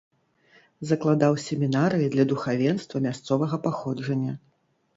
Закладаў семінарыі для духавенства мясцовага паходжання.